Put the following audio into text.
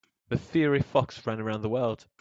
The fiery fox ran around the world.